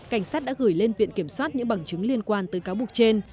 cảnh sát đã gửi lên viện kiểm soát những bằng chứng liên quan tới cáo buộc trên